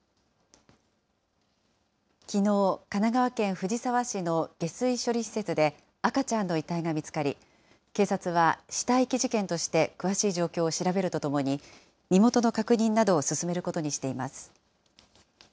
きのう、神奈川県藤沢市の下水処理施設で、赤ちゃんの遺体が見つかり、警察は死体遺棄事件として詳しい状況を調べるとともに、身元の確認などを進めることにしています。